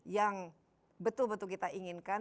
yang betul betul kita inginkan